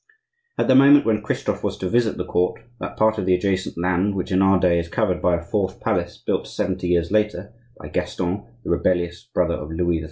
At the moment when Christophe was to visit the court, that part of the adjacent land which in our day is covered by a fourth palace, built seventy years later (by Gaston, the rebellious brother of Louis XIII.